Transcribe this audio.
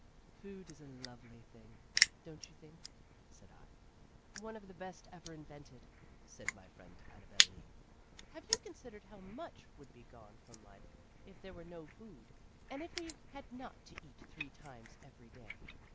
"Food is a lovely thing, don't you think?" said I. "One of the best ever invented," said my friend Annabel Lee. "Have you considered how much would be gone from life if there were no food, and if we had not to eat three times every day?"